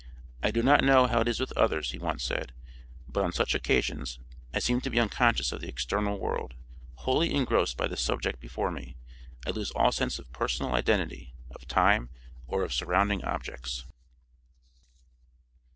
"I do not know how it is with others," he once said, "but, on such occasions, I seem to be unconscious of the external world. Wholly engrossed by the subject before me, I lose all sense of personal identity, of time, or of surrounding objects."